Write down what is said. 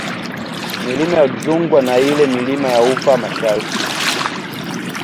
Milima ya Udzungwa na ile Milima ya Ufa Mashariki